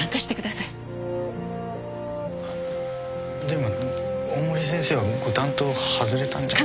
でも大森先生はご担当を外れたんじゃ。